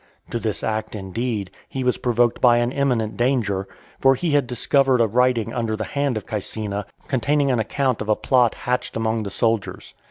To this act, indeed, he was provoked by an imminent danger; for he had discovered a writing under the hand of Caecina, containing an account of a plot hatched among the soldiers.